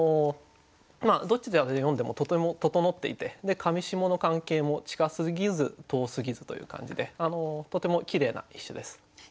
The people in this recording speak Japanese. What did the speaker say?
どちらで読んでもとても整っていて上下の関係も近すぎず遠すぎずという感じでとてもきれいな一首です。